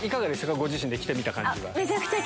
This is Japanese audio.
ご自身で着てみた感じは。